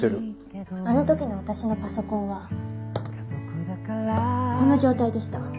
あの時の私のパソコンはこの状態でした。